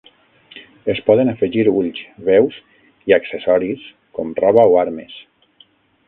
Es poden afegir ulls, veus i accessoris com roba o armes.